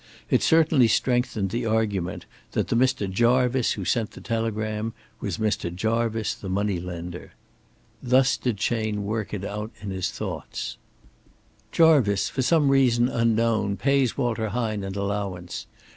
It certainly strengthened the argument that the Mr. Jarvice who sent the telegram was Mr. Jarvice, the money lender. Thus did Chayne work it out in his thoughts: "Jarvice, for some reason unknown, pays Walter Hine an allowance.